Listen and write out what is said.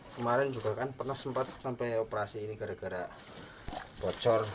kemarin juga kan pernah sempat sampai operasi ini gara gara bocor